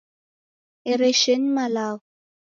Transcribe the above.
Ereshenyi malagho